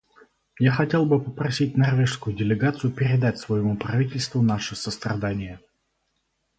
Я хотел бы попросить норвежскую делегацию передать своему правительству наши сострадания.